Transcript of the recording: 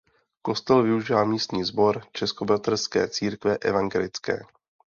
Kostel využívá místní Sbor Českobratrské církve evangelické.